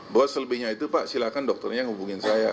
bos selebihnya itu pak silahkan dokternya hubungin saya